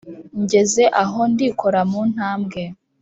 Ngeze aho ndikora mu ntambwe,